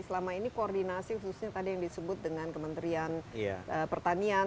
selama ini koordinasi khususnya tadi yang disebut dengan kementerian pertanian